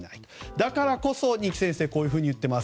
だからこそ二木先生はこういうふうに言っています。